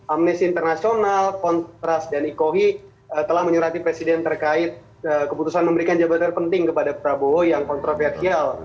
amnesty international kontras dan ikohi telah menyurati presiden terkait keputusan memberikan jabatan penting kepada prabowo yang kontroversial